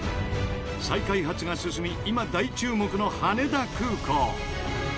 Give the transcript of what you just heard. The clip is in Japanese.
再開発が進み今大注目の羽田空港。